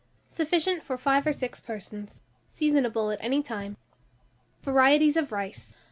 Sufficient for 5 or 6 persons. Seasonable at any time. VARIETIES OF RICE.